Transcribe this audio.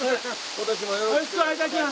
今年もよろしくお願いいたします。